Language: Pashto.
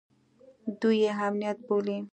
دوى يې امنيت بولي.